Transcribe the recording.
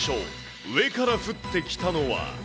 上から降ってきたのは。